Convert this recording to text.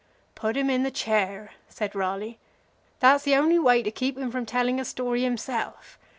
"Put him in the chair," said Raleigh. "That's the only way to keep him from telling a story himself.